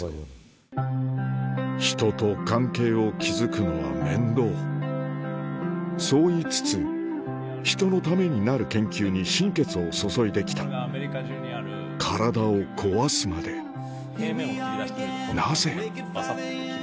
人と関係を築くのは面倒そう言いつつ人のためになる研究に心血を注いで来た体をこわすまでなぜ？